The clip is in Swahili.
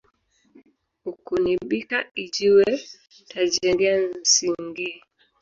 Ukunibika ijiwe tajengea nsingii.